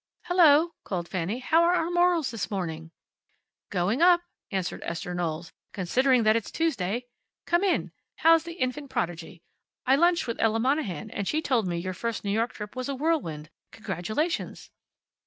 "Hello!" called Fanny. "How are our morals this morning?" "Going up!" answered Esther Knowles, "considering that it's Tuesday. Come in. How's the infant prodigy, I lunched with Ella Monahan, and she told me your first New York trip was a whirlwind. Congratulations!"